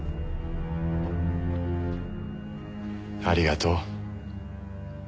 ありがとう。